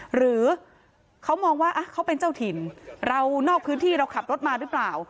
หรือเขามองว่าเขาเป็นเจ้าถิ่นเรานอกพื้นที่เราขับรถมาหรือเปล่า